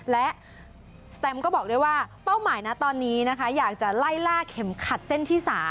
และสแตมก็บอกด้วยว่าเป้าหมายนะตอนนี้นะคะอยากจะไล่ล่าเข็มขัดเส้นที่๓